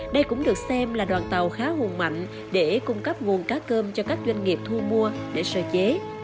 đây cũng được xem là đoàn tàu khá hùng mạnh để cung cấp nguồn cá cơm cho các doanh nghiệp thu mua để sơ chế